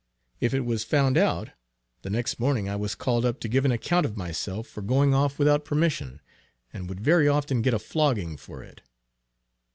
If it was found out, the next morning I was called up to give an account of myself for going off without permission; and would very often get a flogging for it.